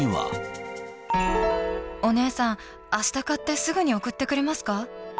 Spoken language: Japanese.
お姉さん、あした買って、すぐに送ってくれますか？